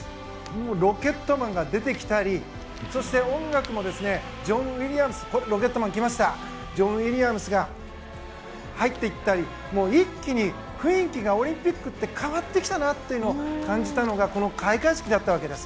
ロケットマンが出てきたりそして音楽もジョン・ウィリアムスが入ってきたり、一気に雰囲気がオリンピックって変わってきたなと感じたのがこの開会式だったわけです。